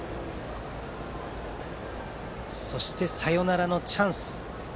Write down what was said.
そして、サヨナラのチャンス。